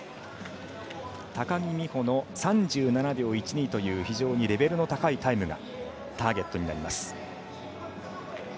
高木美帆の３７秒１２という非常にレベルの高いタイムがターゲットになります。